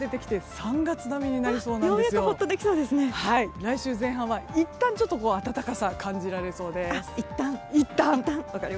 来週前半はいったん暖かさが感じられそうです。